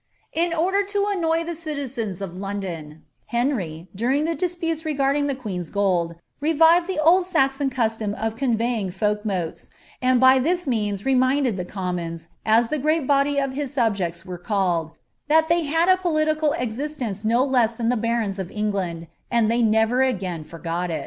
* Ill order to annoy the citizens of London, Henry, during the ilJitiW regarding the queen's gold, revived the old Sxxon custom nf c« folkoioles, and by tliis means reminded the commons, as the gretl of his subjects were called, that ihey had o political existe than the barons of England, — and they never again forgot iL "' M.